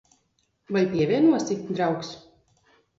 Vai pievienosi, draugs?